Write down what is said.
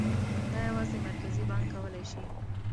دا یوازې مرکزي بانک کولای شي.